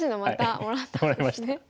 もらいました。